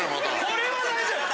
これは大丈夫！